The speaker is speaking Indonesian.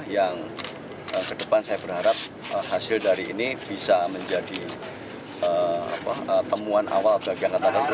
yang kedepan saya berharap hasil dari ini bisa menjadi temuan awal bagi angkatan laut